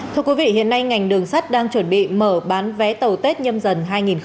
thưa quý vị hiện nay ngành đường sắt đang chuẩn bị mở bán vé tàu tết nhâm dần hai nghìn hai mươi bốn